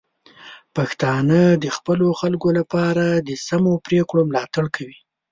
پښتانه د خپلو خلکو لپاره د سمو پریکړو ملاتړ کوي.